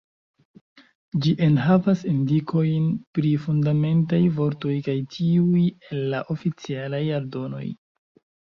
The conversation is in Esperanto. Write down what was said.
Ĝi enhavas indikojn pri Fundamentaj vortoj kaj tiuj el la Oficialaj Aldonoj.